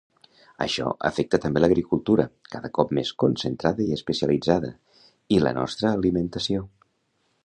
Això afecta també l'agricultura, cada cop més concentrada i especialitzada, i la nostra alimentació.